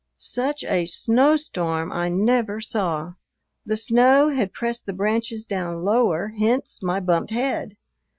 Such a snowstorm I never saw! The snow had pressed the branches down lower, hence my bumped head.